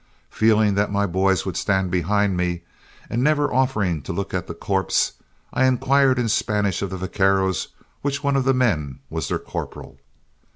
Feeling that my boys would stand behind me, and never offering to look at the corpse, I inquired in Spanish of the vaqueros which one of the men was their corporal.